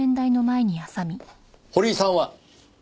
堀井さんは？